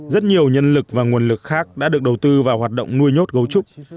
rất nhiều nhân lực và nguồn lực khác đã được đầu tư vào hoạt động nuôi nhốt gấu trúc